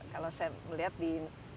kalau saya melihat di